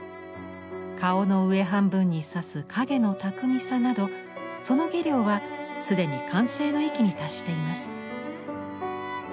顔の上半分に差す影の巧みさなどその技量は既に完成の域に達しています。